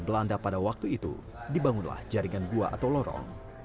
belanda pada waktu itu dibangunlah jaringan gua atau lorong